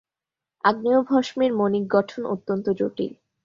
আগ্নেয়ভস্মের মণিক গঠন অত্যন্ত জটিল।